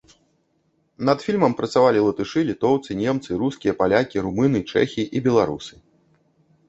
Над фільмам працавалі латышы, літоўцы, немцы, рускія, палякі, румыны, чэхі і беларусы.